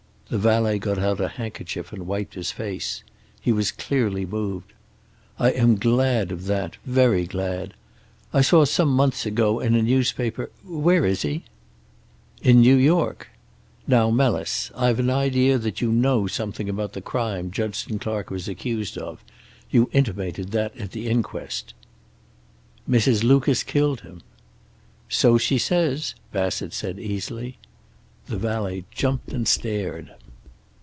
The valet got out a handkerchief and wiped his face. He was clearly moved. "I am glad of that. Very glad. I saw some months ago, in a newspaper where is he?" "In New York. Now Melis, I've an idea that you know something about the crime Judson Clark was accused of. You intimated that at the inquest." "Mrs. Lucas killed him." "So she says," Bassett said easily. The valet jumped and stared.